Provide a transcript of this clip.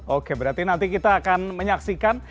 oke berarti nanti kita akan menyaksikan